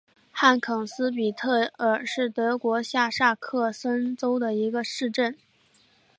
汉肯斯比特尔是德国下萨克森州的一个市镇。